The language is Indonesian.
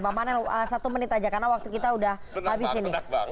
bang panel satu menit aja karena waktu kita udah habis ini